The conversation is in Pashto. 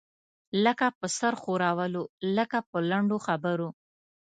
لکه په سر ښورولو، لکه په لنډو خبرو.